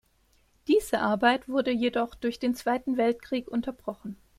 Diese Arbeit wurde jedoch durch den Zweiten Weltkrieg unterbrochen.